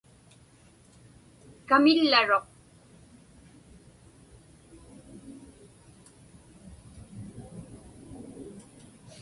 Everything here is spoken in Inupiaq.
Kamillaruq.